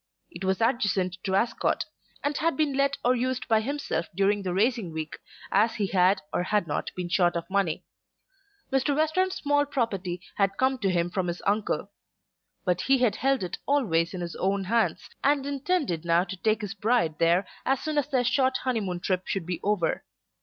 It was adjacent to Ascot, and had been let or used by himself during the racing week, as he had or had not been short of money. Mr. Western's small property had come to him from his uncle. But he had held it always in his own hands, and intended now to take his bride there as soon as their short honeymoon trip should be over.